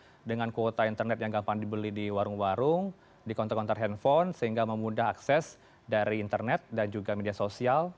dengan kuota internet yang gampang dibeli di warung warung di kontor kontak handphone sehingga memudah akses dari internet dan juga media sosial